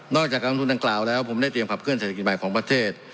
จากการลงทุนดังกล่าวแล้วผมได้เตรียมขับเคลเศรษฐกิจใหม่ของประเทศ